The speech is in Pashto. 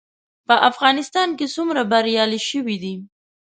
په افغانستان کې څومره بریالي شوي دي؟